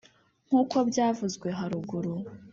nkuko byavuzwe haruguru,